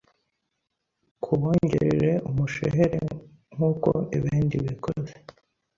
kubongerere umushehere nkuko ebendi bekozi